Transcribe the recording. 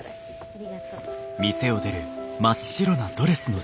ありがとう。